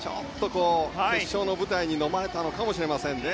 決勝の舞台にのまれたのかもしれませんね。